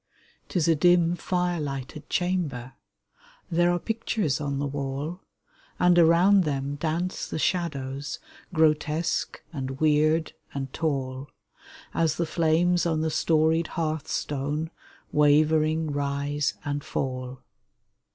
'Tis a dim, fire lighted chamber ; There are pictures on the wall ; And around them dance the shadows Grotesque and weird and tall, As the flames on the storied hearth stone Wavering rise and fall.